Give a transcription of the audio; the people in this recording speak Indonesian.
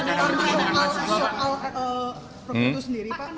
soal perputu sendiri pak